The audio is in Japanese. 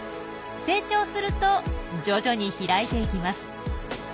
成長すると徐々に開いていきます。